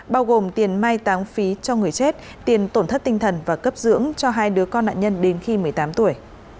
bao gồm tiền mai táng phí cho người chết tiền tổn thất tinh thần và cấp dưỡng cho hai đứa con nạn nhân đến khi một mươi tám tuổi